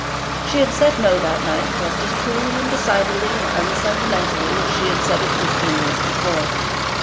She had said no that night just as coolly and decidedly and unsentimentally as she said it fifteen years before.